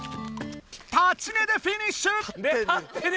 立ちねでフィニッシュ！